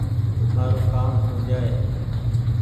مآرو ڪآم هو جآئي